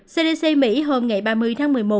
cdc mỹ hôm ba mươi tháng một mươi một